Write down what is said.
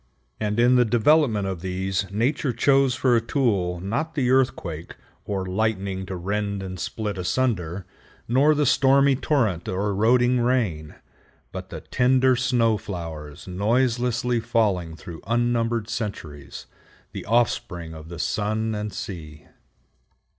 And in the development of these Nature chose for a tool not the earthquake or lightning to rend and split asunder, not the stormy torrent or eroding rain, but the tender snow flowers noiselessly falling through unnumbered centuries, the offspring of the sun and sea.